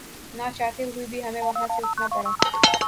ناچاہتے ہوئے بھی ہمیں وہاں سے اٹھنا پڑا